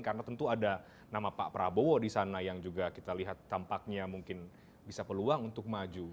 karena tentu ada nama pak prabowo di sana yang juga kita lihat tampaknya mungkin bisa peluang untuk maju